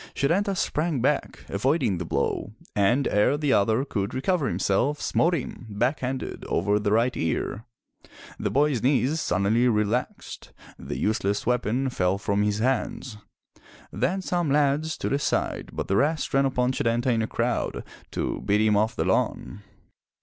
Setanta sprang back, avoiding the blow, and ere the other could recover himself, smote him, back handed, over the right ear. The boy's knees suddenly relaxed; the useless weapon fell from his hands. Then some lads stood aside but the rest ran upon Setanta in a crowd to beat him off the lawn.